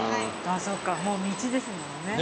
そうかもう道ですものね。